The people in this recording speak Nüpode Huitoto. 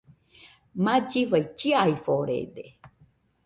Mallifai chiaforede